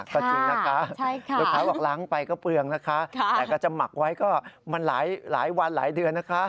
ก็จริงนะคะลูกค้าบอกล้างไปก็เปลืองนะคะแต่ก็จะหมักไว้ก็มันหลายวันหลายเดือนนะคะ